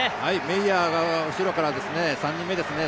メイヤーが後ろから３人目ですね。